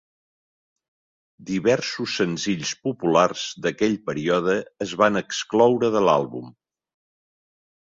Diversos senzills populars d'aquell període es van excloure de l'àlbum.